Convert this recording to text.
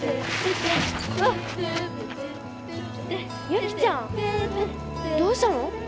ユキちゃんどうしたの？